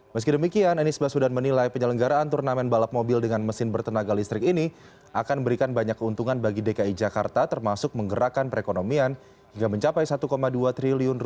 meski demikian anies baswedan menilai penyelenggaraan turnamen balap mobil dengan mesin bertenaga listrik ini akan memberikan banyak keuntungan bagi dki jakarta termasuk menggerakkan perekonomian hingga mencapai rp satu dua triliun